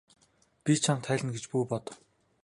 Би чамд хайлна гэж бүү бод.